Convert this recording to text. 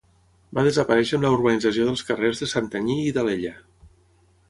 Va desaparèixer amb la urbanització dels carrers de Santanyí i d’Alella.